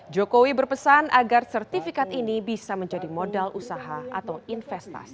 jokowi berpesan agar sertifikat ini bisa menjadi modal usaha atau investasi